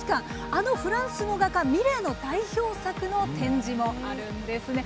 あのフランスの画家ミレーの代表作の展示もあるんです。